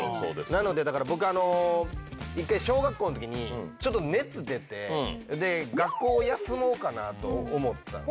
なので、だから僕は一回小学校のときに、ちょっと熱出て、で、学校休もうかなと思ったんです。